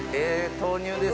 豆乳ですね。